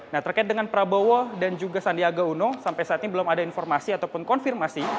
nah terkait dengan prabowo dan juga sandiaga uno sampai saat ini belum ada informasi ataupun konfirmasi